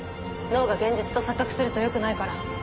脳が現実と錯覚するとよくないから。